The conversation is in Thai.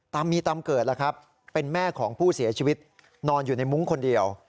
มีตำเกิดล่ะครับเป็นแม่ของผู้เสียชีวิตนอนอยู่ในมุ้งคนเดียว